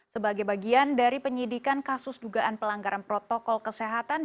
sebagai bagian dari penyidikan kasus dugaan pelanggaran protokol kesehatan